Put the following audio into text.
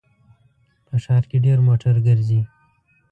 په ښار کې ډېر موټر ګرځي